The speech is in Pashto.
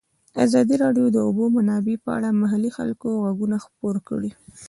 ازادي راډیو د د اوبو منابع په اړه د محلي خلکو غږ خپور کړی.